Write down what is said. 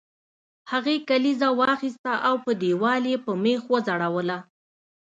هغې کلیزه واخیسته او په دیوال یې په میخ وځړوله